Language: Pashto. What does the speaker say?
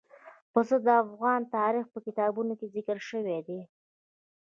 پسه د افغان تاریخ په کتابونو کې ذکر شوی دي.